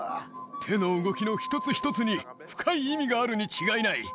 手の動きの一つ一つに深い意味があるに違いない。